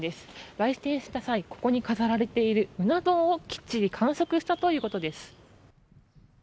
来店した際ここに飾られているうな丼をきっちり完食したということです。